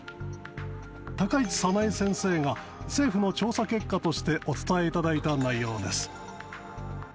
高市早苗先生が、政府の調査結果としてお伝えいただいた内容です。